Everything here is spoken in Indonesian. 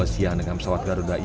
dua siang dengan pesawat garuda ia